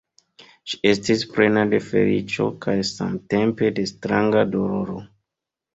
Ŝi estis plena de feliĉo kaj samtempe de stranga doloro.